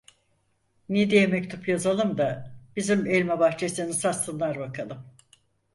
Niğde'ye mektup yazalım da bizim elma bahçesini satsınlar bakalım.